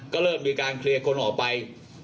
ก็เริ่มมีการเคลียร์คนออกไป